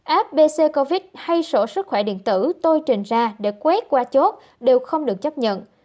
app covid hay sổ sức khỏe điện tử tôi trình ra để quét qua chốt đều không được chấp nhận